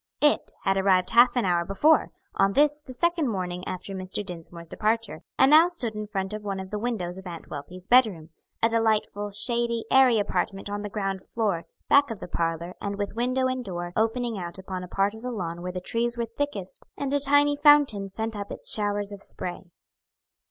"It" had arrived half an hour before, on this the second morning after Mr. Dinsmore's departure, and now stood in front of one of the windows of Aunt Wealthy's bedroom a delightfully shady, airy apartment on the ground floor, back of the parlor, and with window and door opening out upon a part of the lawn where the trees were thickest and a tiny fountain sent up its showers of spray.